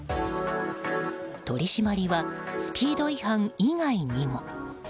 取り締まりはスピード違反以外にも。